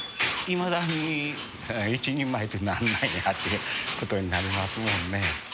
いまだに一人前って何なんやって事になりますもんね。